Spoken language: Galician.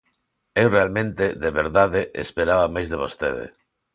Eu realmente, de verdade, esperaba máis de vostede.